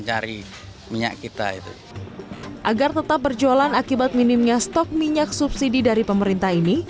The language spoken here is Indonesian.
agar tetap berjualan akibat minimnya stok minyak subsidi dari pemerintah ini